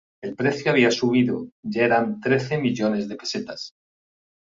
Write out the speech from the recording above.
El precio había subido, ya eran trece millones de pesetas.